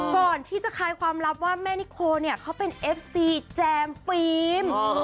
ก่อนที่จะคลายความลับว่าแม่นิโคเนี่ยเขาเป็นเอฟซีแจมฟิล์ม